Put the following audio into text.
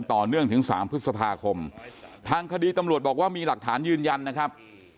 ต่อเนื่องถึง๓พฤษภาคมทางคดีตำรวจบอกว่ามีหลักฐานยืนยันนะครับ